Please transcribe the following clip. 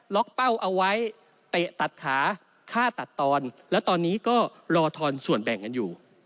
เป้าเอาไว้เตะตัดขาฆ่าตัดตอนแล้วตอนนี้ก็รอทอนส่วนแบ่งกันอยู่